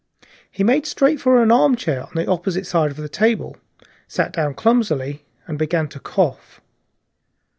He made straight for an armchair on the opposite side of the table, sat down clumsily, and began to cough.